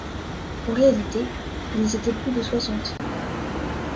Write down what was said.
En réalité, ils étaient plus de soixante.